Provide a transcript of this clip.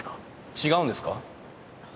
違うんですか？